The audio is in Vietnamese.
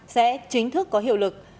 sẽ chính thức có hiệu lực